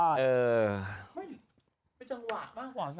เฮ้ยมีจังหวะมากกว่า